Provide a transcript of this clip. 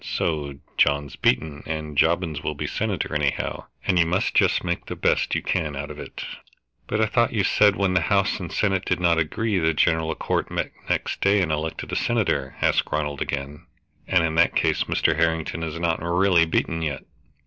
So John's beaten, and Jobbins will be senator anyhow, and you must just make the best you can out of it." "But I thought you said when the House and the Senate did not agree, the General Court met next day and elected a senator?" asked Ronald again; "and in that case Mr. Harrington is not really beaten yet."